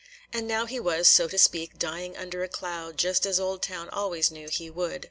And now he was, so to speak, dying under a cloud, just as Oldtown always knew he would.